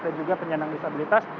dan juga penyandang disabilitas